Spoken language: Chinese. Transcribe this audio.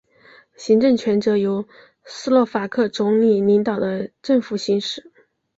行政权则由斯洛伐克总理领导的政府行使。